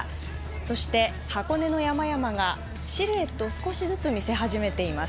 そして箱根の山々がシルエットを少しずつ見せ始めています。